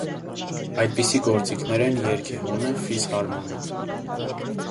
Այդպիսի գործիքներ են երգեհոնը, ֆիսհարմոնը։